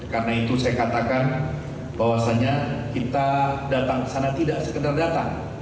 karena itu saya katakan bahwasannya kita datang ke sana tidak sekedar datang